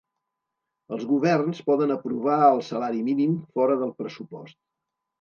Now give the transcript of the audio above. Els governs poden aprovar el salari mínim fora del pressupost